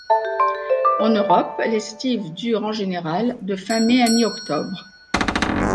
En Europe, l'estive dure en général de fin mai à mi-octobre.